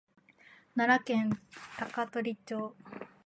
奈良県高取町